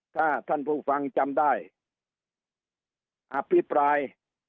ถ้าท่านผู้ฟังจำได้อภิปราย